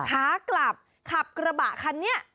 ขากลับขับกระบะคันนี้